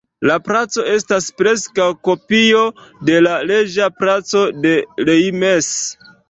La placo estas preskaŭ kopio de la Reĝa Placo de Reims.